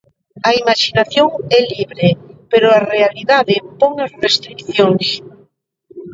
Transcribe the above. A imaxinación é libre, pero a realidade pon as restricións.